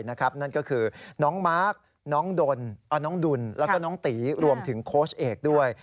นั่นก็คือน้องมาร์คน้องดุลแล้วก็น้องตีรวมถึงโค้ชเอกด้วย